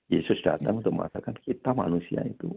yesus datang untuk mengatakan kita manusia itu